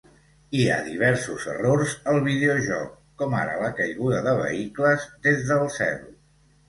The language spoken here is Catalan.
Hi ha diversos errors al videojoc, com ara la caiguda de vehicles des del cel.